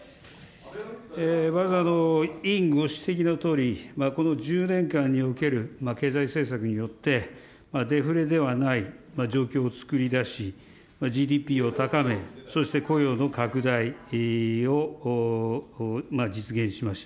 まず、委員ご指摘のとおり、この１０年間における経済政策によって、デフレではない状況を作り出し、ＧＤＰを高め、そして雇用の拡大を実現しました。